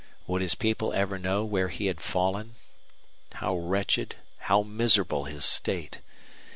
Would his people ever know where he had fallen? How wretched, how miserable his state!